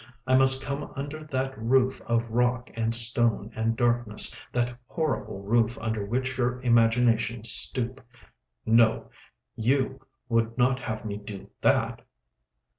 I must come under that roof of rock and stone and darkness, that horrible roof under which your imaginations stoop ... No; you would not have me do that?"